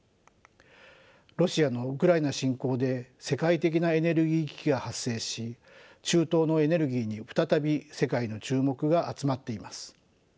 ロシアのウクライナ侵攻で世界的なエネルギー危機が発生し中東のエネルギーに再び世界の注目が集まっています。